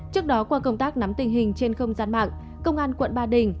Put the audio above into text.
trước đó qua công tác nắm tình hình trên không gian mạng công an quận ba đình